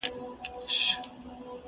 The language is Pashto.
زۀ خداى ساتلمه چي نۀ راپرېوتم او تلمه